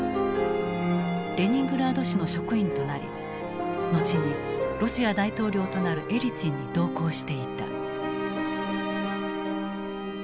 レニングラード市の職員となり後にロシア大統領となるエリツィンに同行していた。